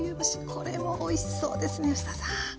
これもおいしそうですね吉田さん。